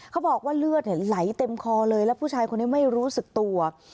เขาบอกว่าเลือดไหลเต็มคอเลยแล้วผู้ชายคนนี้ไม่รู้สึกตัว